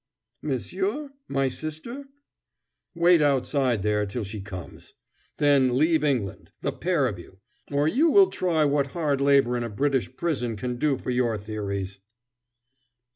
"Monsieur, my sister?" "Wait outside there till she comes. Then leave England, the pair of you, or you will try what hard labor in a British prison can do for your theories."